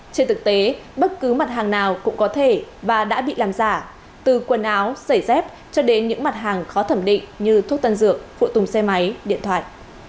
trên thực tế bất cứ mặt hàng nào cũng có thể và đã bị làm giả từ quần áo giày dép cho đến những mặt hàng khó thẩm định như thuốc tân dược phụ tùng xe máy điện thoại